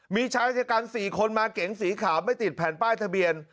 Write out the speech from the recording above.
มีชายชะกัน๔คนมาเก๋งสีขาวไม่ติดแผ่นป้ายทะเบียน